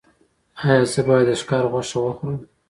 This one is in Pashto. ایا زه باید د ښکار غوښه وخورم؟